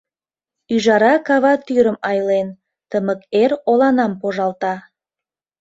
Ӱжара кава тӱрым айлен, Тымык эр оланам пожалта.